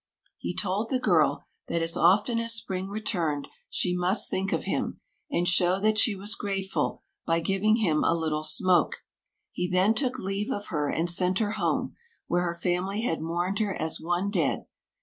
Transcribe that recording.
He told the girl that as often as spring returned she must think of him, and show that she was grateful by giving him a little smoke. He then took leave of her and sent her home, where her family had mourned her as one dead.